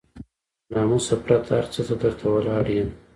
له ناموسه پرته هر څه ته درته ولاړ يم.